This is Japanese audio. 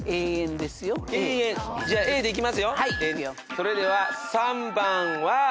それでは３番は。